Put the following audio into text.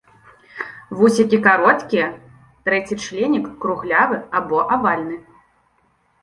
Вусікі кароткія, трэці членік круглявы або авальны.